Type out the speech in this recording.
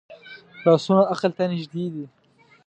لاسونه عقل ته نږدې دي